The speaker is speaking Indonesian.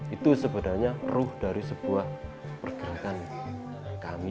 itu sebenarnya ruh dari sebuah pergerakan kami